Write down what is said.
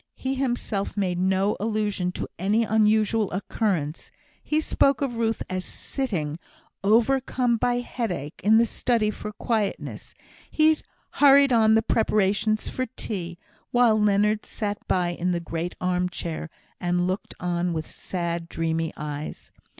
He himself made no allusion to any unusual occurrence; he spoke of Ruth as sitting, overcome by headache, in the study for quietness: he hurried on the preparations for tea, while Leonard sat by in the great arm chair, and looked on with sad, dreamy eyes.